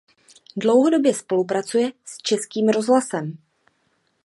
Dlouhodobě spolupracuje s Českým rozhlasem.